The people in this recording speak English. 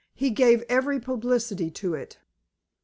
"He gave every publicity to it."